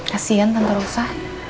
kasian tante rusa